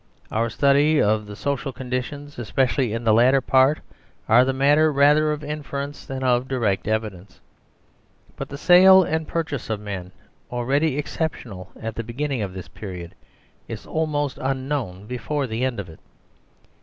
Our study of their so cial conditions, especially in the latter part, are mat ter rather of inference than of direct evidence. But the sale and purchase of men, already exceptional at the beginning of this period.is almost unknown be fore the end of it.